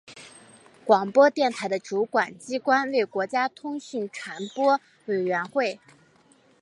广播电台的主管机关为国家通讯传播委员会。